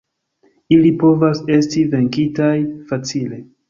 Ili povas esti venkitaj facile.